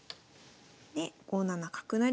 で５七角成。